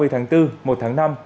ba mươi tháng bốn một tháng năm